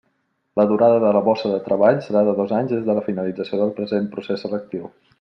La durada de la bossa de treball serà de dos anys des de la finalització del present procés selectiu.